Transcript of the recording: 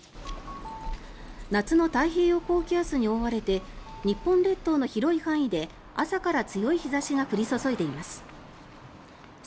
夏の太平洋高気圧に覆われて日本列島の広い範囲で朝から強い日差しが降り注いでいます。